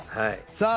さあ